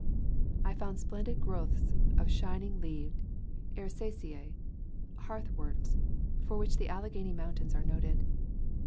I found splendid growths of shining leaved Ericacee [heathworts] for which the Alleghany Mountains are noted.